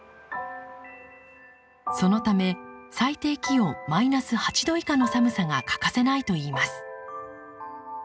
そのため最低気温マイナス８度以下の寒さが欠かせないといいます。